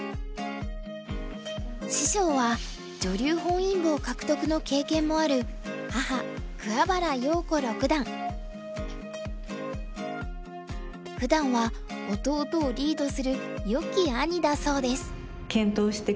師匠は女流本因坊獲得の経験もあるふだんは弟をリードするよき兄だそうです。